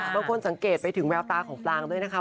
มันควรสังเกตไปถึงแววตาของปลางเลยนะคะ